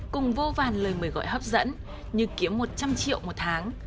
cùng vô vàn lời mời gọi hấp dẫn như kiếm một trăm linh triệu một tháng